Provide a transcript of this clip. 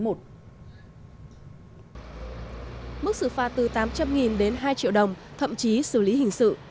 mức xử phạt từ tám trăm linh đến hai triệu đồng thậm chí xử lý hình sự